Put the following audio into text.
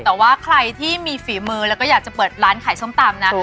แต่ว่าใครที่มีฝีมือแล้วก็อยากจะเปิดร้านขายส้มตำนะ